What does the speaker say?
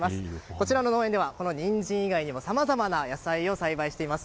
こちらの農園ではニンジン以外にもさまざまな野菜を栽培しています。